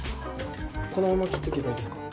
このまま切っていけばいいですか？